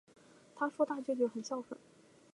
她说大舅舅很孝顺